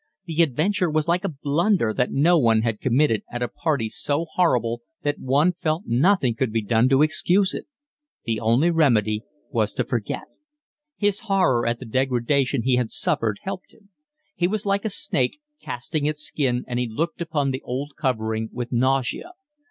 The adventure was like a blunder that one had committed at a party so horrible that one felt nothing could be done to excuse it: the only remedy was to forget. His horror at the degradation he had suffered helped him. He was like a snake casting its skin and he looked upon the old covering with nausea.